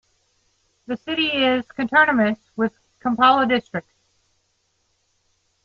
The city is conterminous with Kampala District.